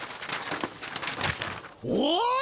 お！